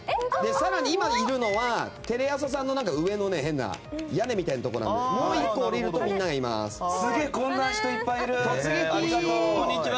今いるのはテレ朝さんの上の変な屋根みたいなところなのでもう１個下りるとみんながいます。